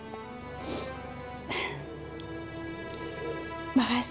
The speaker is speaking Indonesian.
dan semoga kejadianmu juga berhasil